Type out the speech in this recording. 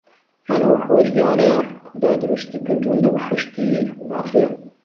يان ئهو حۆرییانهیه خودا دروستی کردوون له بهحهشتی باقییه